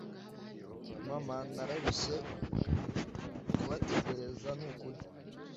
mama nararushye kubategereza nukuri